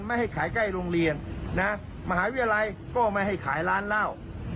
ไม่ให้ขายใกล้โรงเรียนนะมหาวิทยาลัยก็ไม่ให้ขายร้านเหล้า